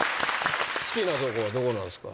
好きなとこはどこなんすか？